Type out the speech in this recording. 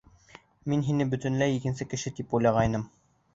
Мин һине бөтөнләй икенсе кеше тип уйлағайным.